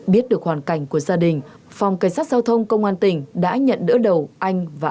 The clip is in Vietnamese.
biết được hoàn cảnh của gia đình phòng cảnh sát giao thông công an tỉnh đã nhận đỡ đầu anh và